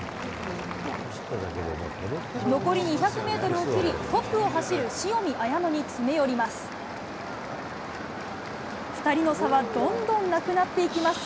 残り２００メートルを切り、トップを走る塩見綾乃に詰め寄ります。